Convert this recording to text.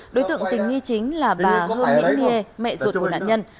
đối tượng tình nghi chính là bà hơ mỹ nie mẹ ruột của nạn nhân